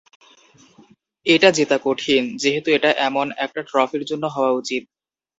এটা জেতা কঠিন, যেহেতু এটা এমন একটা ট্রফির জন্য হওয়া উচিত।